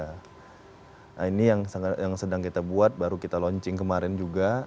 nah ini yang sedang kita buat baru kita launching kemarin juga